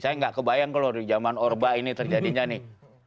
saya nggak kebayang kalau di zaman orba ini terjadinya nih